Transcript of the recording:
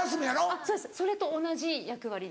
あっそうですそれと同じ役割です。